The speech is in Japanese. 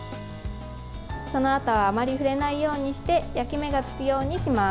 そのあとはあまり触れないようにして焼き目がつくようにします。